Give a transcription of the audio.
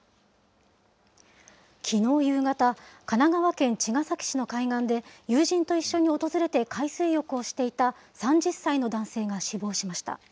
きのう夕方、神奈川県茅ヶ崎市の海岸で、友人と一緒に訪れて海水浴をしていた３０歳の男性が死亡しました。